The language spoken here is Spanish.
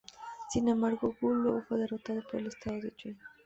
Sin embargo, Wu luego fue derrotado por el estado Yue.